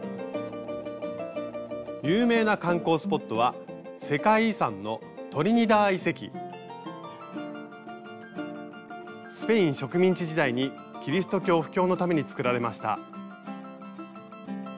有名な観光スポットは世界遺産のスペイン植民地時代にキリスト教布教のためにつくられました。